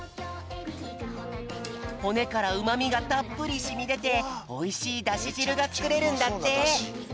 ほねからうまみがたっぷりしみでておいしいダシじるがつくれるんだって。